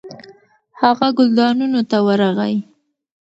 هغه ګلدانونو ته ورغی.